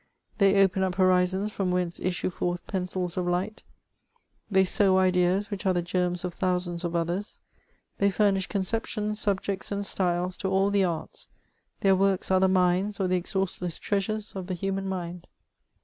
They open up horizons &om whence issue forth pencils of light ; they sow ideas which are the germs ci thousands of others ; they furnish conceptions, subjects, and styles, to all the arts ; their works are the mines, or the ex haustless treasures, of the human mind.